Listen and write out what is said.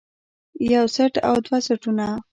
يو څټ او دوه څټونه